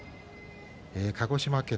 鹿児島県